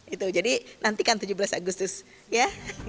itu jadi nantikan tujuh belas agustus ya